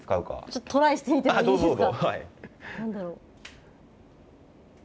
ちょっとトライしてみてもいいですか。